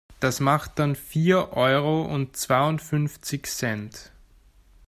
Das macht dann vier Euro und zweiundfünfzig Cent.